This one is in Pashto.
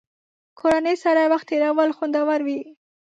کورنۍ سره وخت تېرول خوندور وي.